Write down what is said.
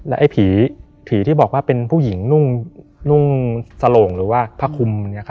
ไอ้ผีที่บอกว่าเป็นผู้หญิงนุ่งสโหลงหรือว่าผ้าคุม